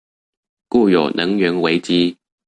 故有能源危機